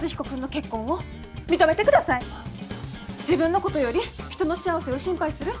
自分のことより人の幸せを心配する